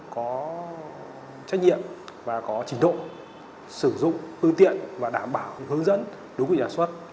có trách nhiệm và có trình độ sử dụng phương tiện và đảm bảo hướng dẫn đúng vị nhà xuất